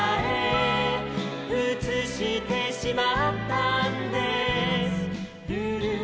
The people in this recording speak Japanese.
「うつしてしまったんですル・ル」